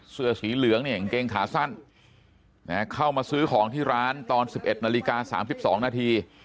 เสื้อสีเหลืองเนี่ยกางเกงขาสั้นเข้ามาซื้อของที่ร้านตอน๑๑นาฬิกา๓๒นาที